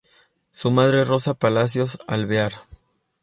Su madre Rosa Palacios Alvear.